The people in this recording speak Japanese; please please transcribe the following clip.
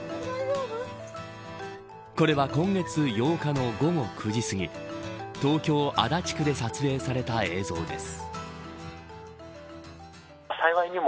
これは今月８日の夜午後９時すぎ、東京足立区で撮影された映像です。